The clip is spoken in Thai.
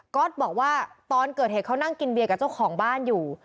อตบอกว่าตอนเกิดเหตุเขานั่งกินเบียร์กับเจ้าของบ้านอยู่